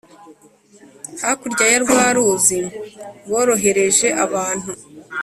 hakurya ya rwa Ruzi boherereje abantu